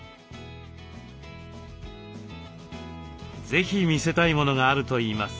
是非見せたいものがあるといいます。